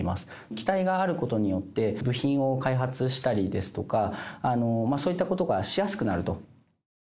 機体があることによって、部品を開発したりですとか、そういったことがしやすくなると。